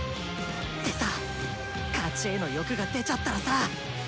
でさ勝ちへの「欲」が出ちゃったらさぁ！